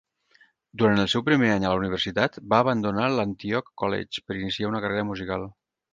Durant el seu primer any a la universitat, va abandonar l'Antioch College per iniciar una carrera musical.